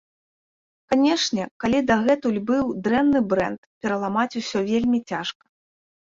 Канечне, калі дагэтуль быў дрэнны брэнд, пераламаць усё вельмі цяжка.